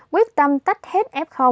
quyết tâm tách hết f